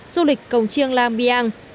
du lịch công chiêng lam biang